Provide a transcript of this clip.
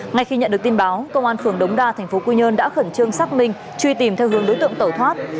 ngay khi nhận được tin báo công an phường đống đa thành phố quy nhơn đã khẩn trương xác minh truy tìm theo hướng đối tượng tẩu thoát